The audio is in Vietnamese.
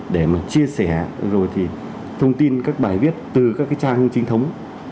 để chia sẻ thông tin các bài viết từ các trang trinh thống